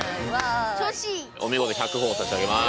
お見事１００ほぉ差し上げます。